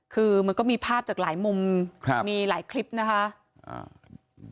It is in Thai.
คือมันก็มีภาพจากหลายมุมมีหลายคลิปนะครับ